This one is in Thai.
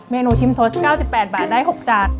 เนูชิมทส๙๘บาทได้๖จาน